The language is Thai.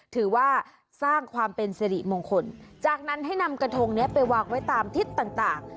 ถือว่าสร้างความเป็นสิริมงคลจากนั้นให้นำกระทงนี้ไปวางไว้ตามทิศต่าง